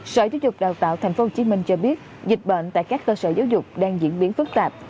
sở giáo dục đào tạo tp hcm cho biết dịch bệnh tại các cơ sở giáo dục đang diễn biến phức tạp